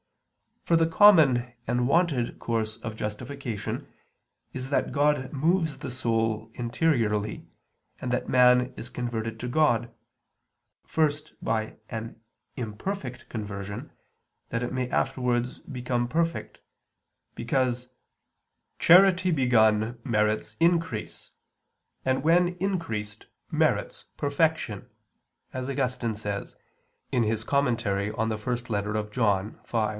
For the common and wonted course of justification is that God moves the soul interiorly and that man is converted to God, first by an imperfect conversion, that it may afterwards become perfect; because "charity begun merits increase, and when increased merits perfection," as Augustine says (In Epist. Joan. Tract. v).